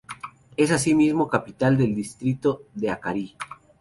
Es asimismo capital del distrito de Acarí.